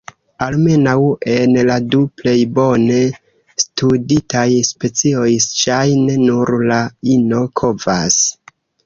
Almenaŭ en la du plej bone studitaj specioj, ŝajne nur la ino kovas.